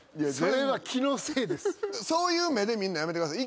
そういう目で見んのやめてください。